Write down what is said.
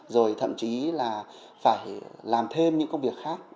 rồi thậm chí là phải làm thêm những công việc khác